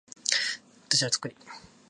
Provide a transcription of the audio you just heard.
出しちゃえよそこに